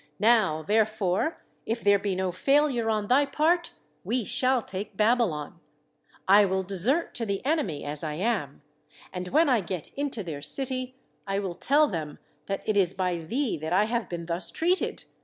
Now, therefore, if there be no failure on thy part, we shall take Babylon. I will desert to the enemy as I am, and when I get into their city I will tell them that it is by thee that I have been thus treated.